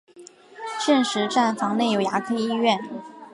现时站房内有牙科医院。